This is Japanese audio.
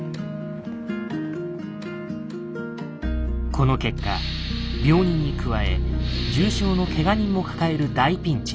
この結果病人に加え重傷のケガ人も抱える大ピンチに。